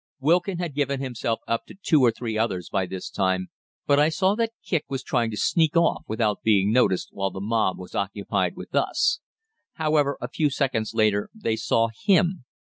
Wilkin had given himself up to two or three others by this time, but I saw that Kicq was trying to sneak off without being noticed while the mob was occupied with us. However, a few seconds later they saw him.